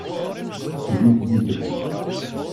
Teqqes-iyi tzizwit.